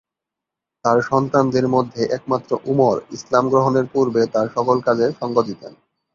তার সন্তানদের মধ্যে একমাত্র উমর ইসলাম গ্রহণের পূর্বে তার সকল কাজে সঙ্গ দিতেন।